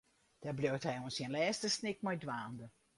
Dêr bliuwt hy oant syn lêste snik mei dwaande.